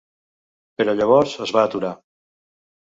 Però llavors es va aturar.